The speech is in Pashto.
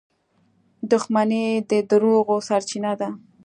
• دښمني د دروغو سرچینه ده.